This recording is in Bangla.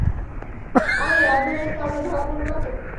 আরে দোস্ত আমরা ধরা পরব না তো?